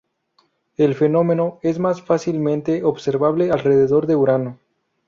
El fenómeno es más fácilmente observable alrededor de Urano.